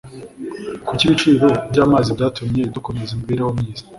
kuki ibiciro byamazi byatumye dukomeza imibereho myiza